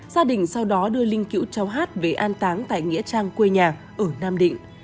gia đình sau đó đưa linh cữu cháu hát về an táng tại nghĩa trang quê nhà ở nam định